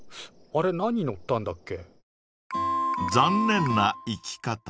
あれ何乗ったんだっけ？